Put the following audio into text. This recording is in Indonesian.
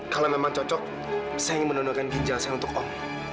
kalau memang cocok saya ingin mendonorkan ginjal saya untuk om